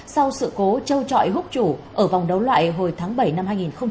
sau sự cố trâu trọi hút chủ ở vòng đấu loại hồi tháng bảy năm hai nghìn một mươi bảy